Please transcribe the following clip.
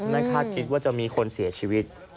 คาดคิดว่าจะมีคนเสียชีวิต